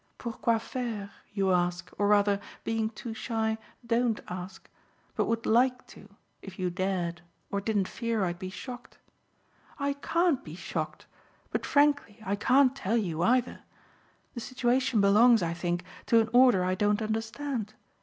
'Pourquoi faires' you ask or rather, being too shy, don't ask, but would like to if you dared or didn't fear I'd be shocked. I CAN'T be shocked, but frankly I can't tell you either. The situation belongs, I think, to an order I don't understand.